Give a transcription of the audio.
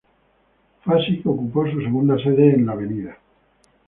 Fue así que ocupó su segunda sede en la Av.